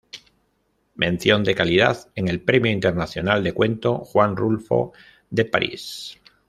Mención de Calidad en el Premio Internacional de Cuento "Juan Rulfo" de París.